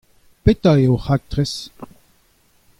Petra eo ho raktres ?